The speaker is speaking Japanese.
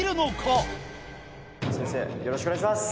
よろしくお願いします！